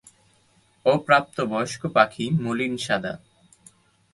অপ্রাপ্তবয়স্ক পাখি মলিন সাদা।